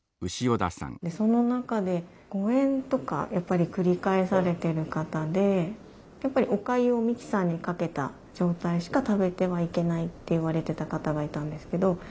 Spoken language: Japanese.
その中で誤えんとかやっぱり繰り返されてる方でやっぱりおかゆをミキサーにかけた状態しか食べてはいけないって言われてた方がいたんですけど。